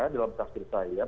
dalam tafsir saya